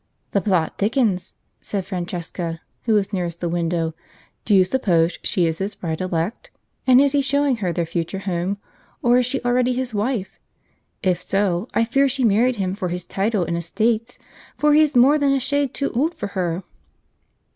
"The plot thickens," said Francesca, who was nearest the window. "Do you suppose she is his bride elect, and is he showing her their future home, or is she already his wife? If so, I fear me she married him for his title and estates, for he is more than a shade too old for her."